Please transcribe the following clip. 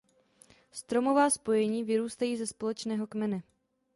Stromová spojení vyrůstají ze společného kmene.